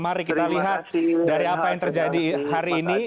mari kita lihat dari apa yang terjadi hari ini